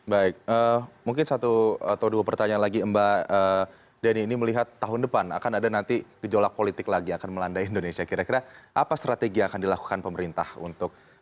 baik mungkin satu atau dua pertanyaan lagi mbak denny ini melihat tahun depan akan ada nanti gejolak politik lagi akan melanda indonesia kira kira apa strategi yang akan dilakukan pemerintah untuk